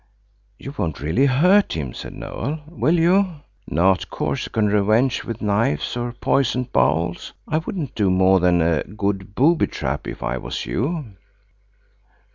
"You won't really hurt him," said Noël, "will you? Not Corsican revenge with knives, or poisoned bowls? I wouldn't do more than a good booby trap, if I was you."